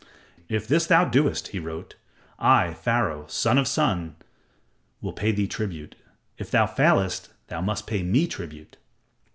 "If this thou doest," he wrote, "I, Pharaoh, son of the Sun, will pay thee tribute; if thou failest, thou must pay me tribute."